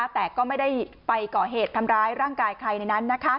แต่ก็ไม่ได้ไปก่อเหตุทำร้ายร่างกายใครในนั้น